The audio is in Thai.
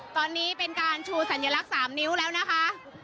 ตอนนี้เป็นการชูสัญลักษณ์๓นิ้วแล้วนะคะ